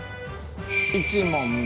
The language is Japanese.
１問目。